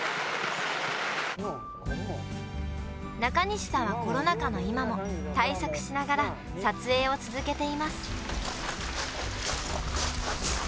中西さんはコロナ禍の今も、対策しながら撮影を続けています。